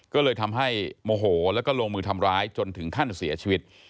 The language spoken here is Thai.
ก็เลยทำให้โมโหแล้วก็ลงมือทำร้ายจนถึงขั้นเสียชีวิต